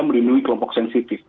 merindui kelompok sensitif